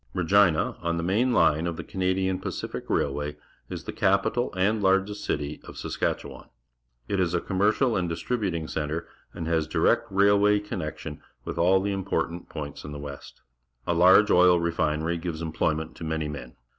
Regina, on the main line of the Canadian Pacific Railway^ is the capital and largest city of Saskatchew^an. It is aj; ommercial an d distributing ce ntre and has direct railway connection with all the important points in the West. A large oil refinery gives emploj'ment to many men.